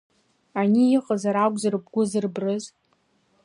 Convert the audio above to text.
Ани, иҟалаз акәзар бгәы зырбрыз?